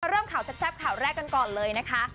เริ่มข่าวแซ่บข่าวแรกกันก่อนเลยนะคะ